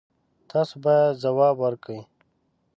تاسو باید ځواب ورکړئ.